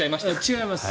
違います。